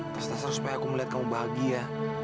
atas dasar supaya aku melihat kamu bahagia